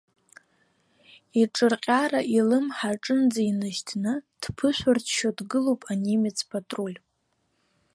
Иҿырҟьара илымҳа аҿынӡа инашьҭны, дԥышәырччо дгылоуп анемец патруль.